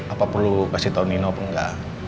apa perlu kasih tau nino apa engga